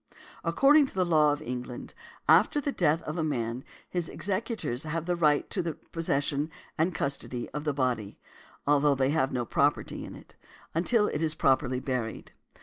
According to the law of England, after the death of a man, his executors have a right to the possession and custody of his body (although they have no property in it) until it is properly buried.